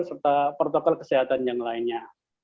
serta protokol kesehatan yang lainnya